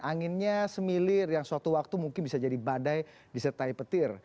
anginnya semilir yang suatu waktu mungkin bisa jadi badai disertai petir